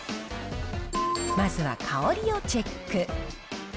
まずは香りをチェック。